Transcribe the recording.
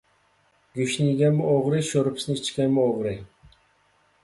گۆشنى يىگەنمۇ ئوغرى، شورپىسىنى ئىچكەنمۇ ئوغرى.